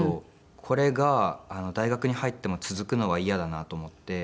これが大学に入っても続くのは嫌だなと思って。